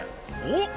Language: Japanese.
おっ！